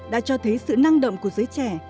đã cho thấy sự năng động của giới trẻ